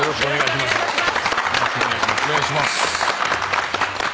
お願いします。